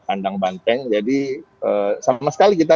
kandang banteng jadi sama sekali kita